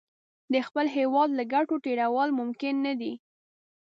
د خپل هېواد له ګټو تېرول ممکن نه دي.